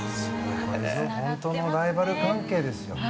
本当のライバル関係ですよ。